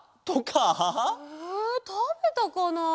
えたべたかなあ？